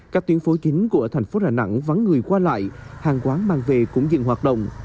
các tuyến phố chính của thành phố đà nẵng vắng người qua lại hàng quán mang về cũng dừng hoạt động